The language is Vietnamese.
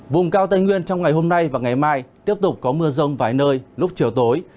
vùng cao tây nguyên trong ngày hôm nay và ngày mai tiếp tục có mưa rông vài nơi lúc chiều tối